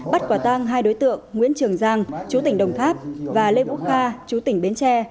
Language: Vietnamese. bắt quả tang hai đối tượng nguyễn trường giang chú tỉnh đồng tháp và lê quốc kha chú tỉnh bến tre